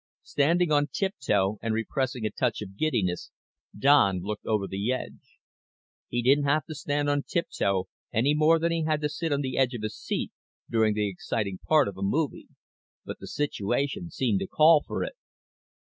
Standing on tiptoe and repressing a touch of giddiness, Don looked over the edge. He didn't have to stand on tiptoe any more than he had to sit on the edge of his seat during the exciting part of a movie, but the situation seemed to call for it.